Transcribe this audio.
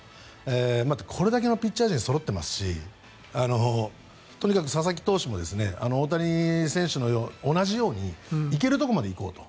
これだけのピッチャー陣がそろってますしとにかく佐々木投手も大谷選手と同じように行けるところまで行こうと。